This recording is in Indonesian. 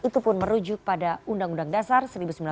itu pun merujuk pada undang undang dasar seribu sembilan ratus empat puluh